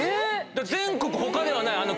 全国他ではない。